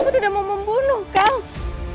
aku tidak mau membunuh kau